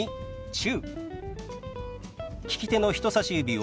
「中」。